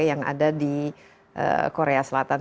yang ada di korea selatan